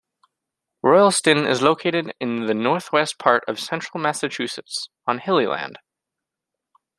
Royalston is located in the northwestern part of central Massachusetts, on hilly land.